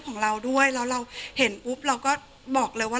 ของเราด้วยแล้วเราเห็นปุ๊บเราก็บอกเลยว่า